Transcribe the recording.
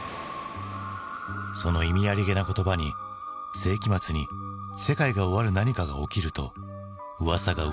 その意味ありげな言葉に世紀末に世界が終わる何かが起きるとうわさがうわさを呼ぶ。